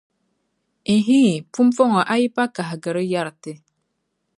N-hii, pumpɔŋɔ a yipa kahigiri yɛri ti.